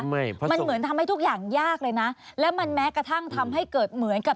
มันเหมือนทำให้ทุกอย่างยากเลยนะแล้วมันแม้กระทั่งทำให้เกิดเหมือนกับ